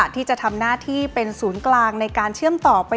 ที่จะทำหน้าที่เป็นศูนย์กลางในการเชื่อมต่อไป